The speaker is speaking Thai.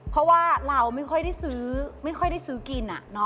เพราะว่าเราไม่ค่อยได้ซื้อกิน